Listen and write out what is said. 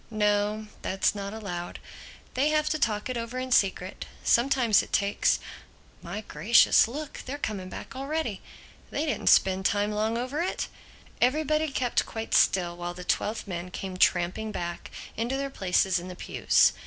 "No, that's not allowed. They have to talk it over in secret. Sometimes it takes—My Gracious, look, they're coming back already! They didn't spend long over it." Everybody kept quite still while the twelve men came tramping back into their places in the pews.